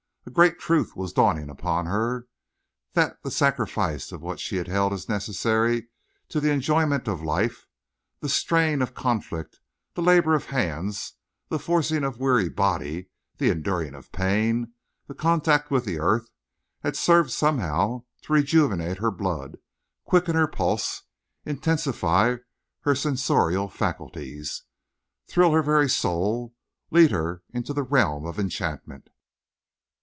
A great truth was dawning upon her—that the sacrifice of what she had held as necessary to the enjoyment of life—that the strain of conflict, the labor of hands, the forcing of weary body, the enduring of pain, the contact with the earth—had served somehow to rejuvenate her blood, quicken her pulse, intensify her sensorial faculties, thrill her very soul, lead her into the realm of enchantment.